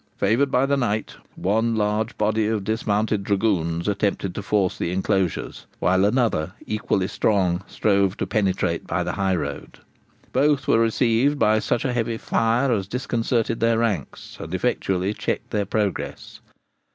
Favoured by the night, one large body of dismounted dragoons attempted to force the enclosures, while another, equally strong, strove to penetrate by the highroad. Both were received by such a heavy fire as disconcerted their ranks and effectually checked their progress.